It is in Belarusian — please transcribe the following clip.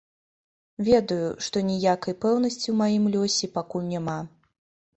Ведаю, што ніякай пэўнасці ў маім лёсе пакуль няма.